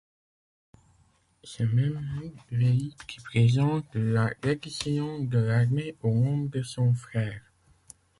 C'est Mehmed Vehib qui présente la reddition de l'armée au nom de son frère.